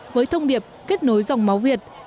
với thông điệp kết nối dòng máu việt